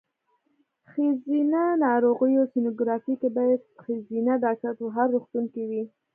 ښځېنه ناروغیو سینوګرافي کې باید ښځېنه ډاکټره په هر روغتون کې وي.